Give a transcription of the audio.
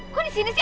kok ini sini sih